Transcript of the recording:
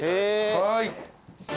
はい。